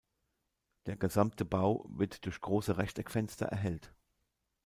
Der gesamte Bau wird durch große Rechteckfenster erhellt.